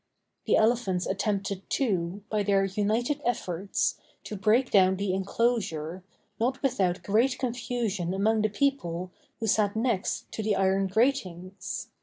The elephants attempted, too, by their united efforts, to break down the enclosure, not without great confusion among the people who sat next to the iron gratings.